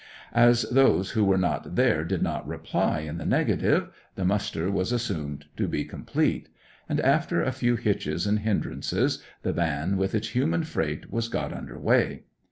As those who were not there did not reply in the negative the muster was assumed to be complete, and after a few hitches and hindrances the van with its human freight was got under way.